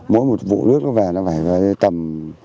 mỗi một vụ nước nó về nó phải tầm